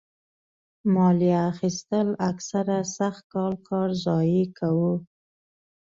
مالیه اخیستل اکثره سخت کال کار ضایع کاوه.